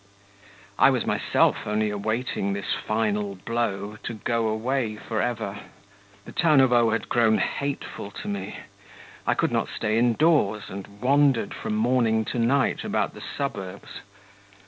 I was myself only awaiting this final blow to go away for ever. The town of O had grown hateful to me. I could not stay indoors, and wandered from morning to night about the suburbs.